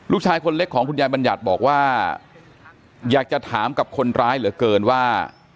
ลูกชายคนเล็กของคุณยายบัญญัติบอกว่าอยากจะถามกับคนร้ายเหลือเกินว่า